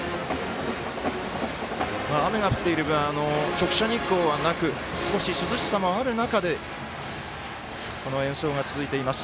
雨が降っている分直射日光はなく少し、涼しさもある中でこの演奏が続いています。